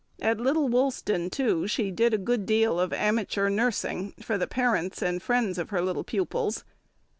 At Little Woolston, too, she did a good deal of amateur nursing for the parents and friends of her little pupils.